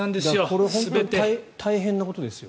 これ、本当に大変なことですよ。